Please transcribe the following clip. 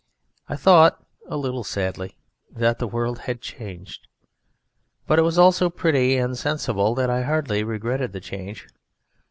I thought a little sadly that the world had changed. But it was all so pretty and sensible that I hardly regretted the change.